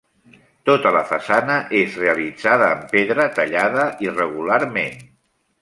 Tota la façana és realitzada en pedra tallada irregularment.